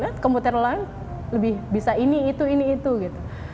karena komputer lain lebih bisa ini itu ini itu gitu